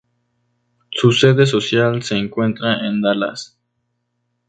Su sede social se encuentra en Dallas.